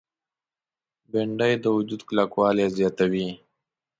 بېنډۍ د وجود کلکوالی زیاتوي